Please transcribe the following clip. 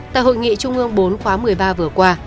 tại hội nghị trung ương bốn khóa một mươi ba vừa qua